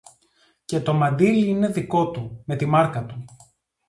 Και το μαντίλι είναι δικό του, με τη μάρκα του